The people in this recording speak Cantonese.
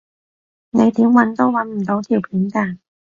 你點搵都搵唔到條片㗎